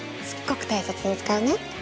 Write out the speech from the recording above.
すっごく大切に使うね。